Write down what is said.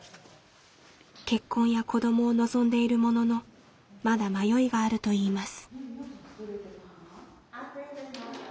結婚や子どもを望んでいるもののまだ迷いがあるといいます。